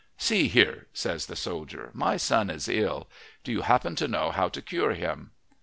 "See here," says the soldier. "My son is ill. Do you happen to know how to cure him?"